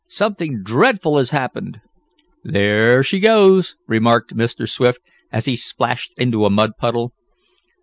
Something dreadful has happened!" "There she goes!" remarked Mr. Swift, as he splashed into a mud puddle.